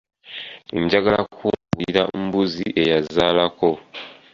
Njagala kungulira mbuzi eyazaalako.